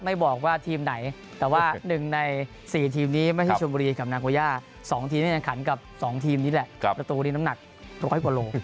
ไม่บอกว่าทีมไหนแต่ว่า๑ใน๔ทีมนี้ไม่ใช่ชมบุรีกับนาโกย่า๒ทีมที่แข่งขันกับ๒ทีมนี้แหละประตูนี้น้ำหนักร้อยกว่าโล